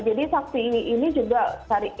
jadi saksi ini juga cari